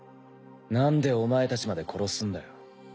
なんでお前たちまで殺すんだよ。